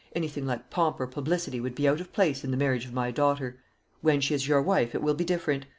Anything like pomp or publicity would be out of place in the marriage of my daughter. When she is your wife it will be different.